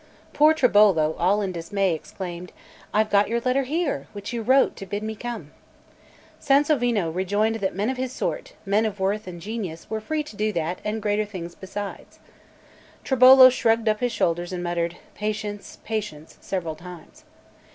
Poor Tribolo, all in dismay, exclaimed: "I have got your letter here, which you wrote to bid me come." Sansovino rejoined that men of his sort, men of worth and genius, were free to do that and greater things besides. Tribolo shrugged up his shoulders and muttered: "Patience, patience," several times.